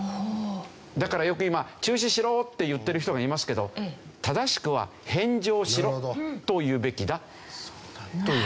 だからよく今「中止しろ」って言ってる人がいますけど正しくは「返上しろ」と言うべきだという。